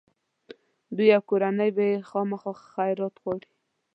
دوی او کورنۍ به یې خامخا خیرات غواړي.